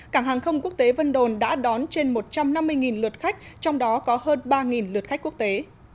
cảng hàng không quốc tế vân đồn đã đón trên một trăm năm mươi lượt khách trong đó có hơn ba lượt khách quốc tế